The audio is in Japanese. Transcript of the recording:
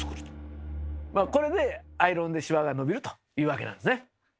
まあこれでアイロンでシワが伸びるというわけなんですね。